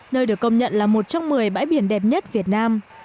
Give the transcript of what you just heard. nơi được công nhận là một trong một mươi bãi biển đẹp nhất việt nam